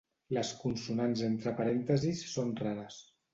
Les consonants entre parèntesis són rares.